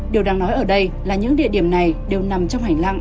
điều đang nói ở đây là những địa điểm này đều nằm trong hành lang